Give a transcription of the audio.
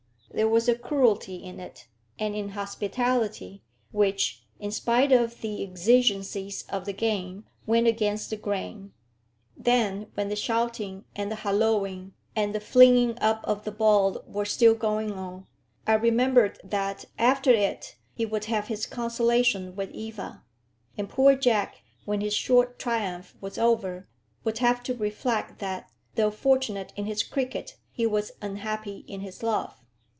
There was a cruelty in it, an inhospitality, which, in spite of the exigencies of the game, went against the grain. Then, when the shouting, and the holloaing, and the flinging up of the ball were still going on, I remembered that, after it, he would have his consolation with Eva. And poor Jack, when his short triumph was over, would have to reflect that, though fortunate in his cricket, he was unhappy in his love.